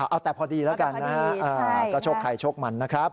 เอาแต่พอดีแล้วกันนะฮะก็โชคใครโชคมันนะครับ